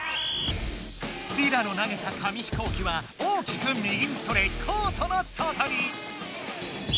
リラの投げた紙飛行機は大きく右にそれコートの外に。